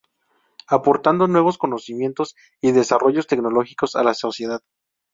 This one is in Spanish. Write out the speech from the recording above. Aportando nuevos conocimientos y desarrollos tecnológicos a la sociedad.